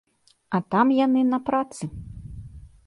А там яны на працы.